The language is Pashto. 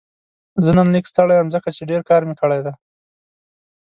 زه نن لږ ستړی یم ځکه چې ډېر کار مې کړی دی